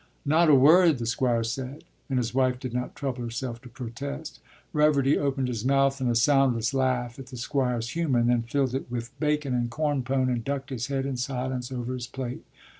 “Not a word,” the Squire said, and his wife did not trouble herself to protest; Reverdy opened his mouth in a soundless laugh at the Squire's humor, and then filled it with bacon and corn pone, and ducked his head in silence over his plate.